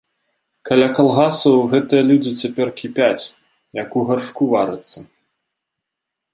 Каля калгасаў гэтыя людзі цяпер кіпяць, як у гаршку варацца.